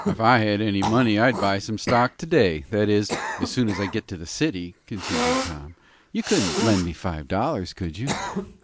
"If I had any money I'd buy some stock to day; that is, as soon as I get to the city," continued Tom. "You couldn't lend me five dollars, could you?"